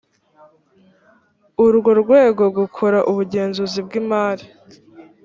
urwo rwego gukora ubugenzuzi bw imari